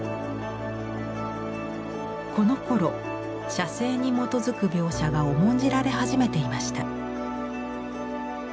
このころ写生に基づく描写が重んじられ始めていました。